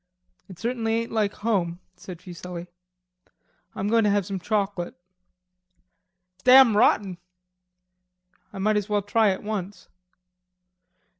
"It certainly ain't like home," said Fuselli. "I'm going to have some chauclate." "It's damn rotten." "I might as well try it once."